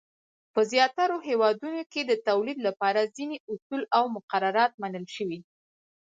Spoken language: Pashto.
په زیاترو هېوادونو کې د تولید لپاره ځینې اصول او مقررات منل شوي.